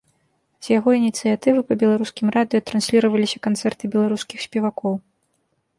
З яго ініцыятывы па беларускім радыё трансліраваліся канцэрты беларускіх спевакоў.